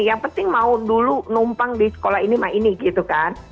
yang penting mau dulu numpang di sekolah ini mau ini gitu kan